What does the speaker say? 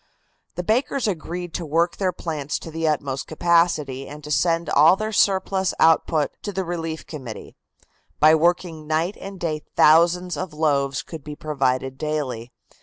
The bakers agreed to work their plants to their utmost capacity and to send all their surplus output to the relief committee. By working night and day thousands of loaves could be provided daily.